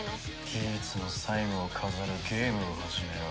ギーツの最期を飾るゲームを始めよう。